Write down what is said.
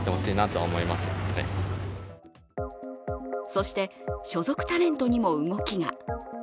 そして、所属タレントにも動きが。